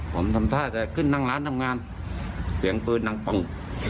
ผมทำท่าแต่ขึ้นนั่งร้านทำงานเสียงปืนดังปัง